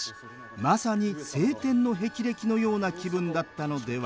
まさに青天の霹靂のような気分だったのでは？